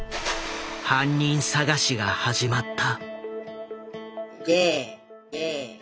犯人捜しが始まった。